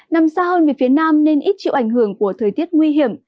nằm xa hơn về phía nam nên ít chịu ảnh hưởng của thời tiết nguy hiểm